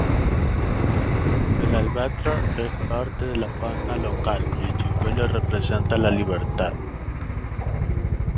El albatros es parte de la fauna local, y su vuelo representa la libertad.